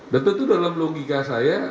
dan tentu dalam logika saya